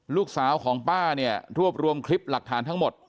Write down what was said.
ลูกสาวของป้าเนี่ยรวบรวมคลิปหลักฐานทั้งหมด